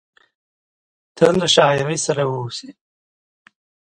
ته له شاعري سره واوسې…